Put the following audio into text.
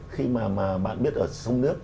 khi mà bạn biết ở sông nước